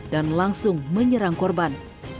dan langsung menyerang korban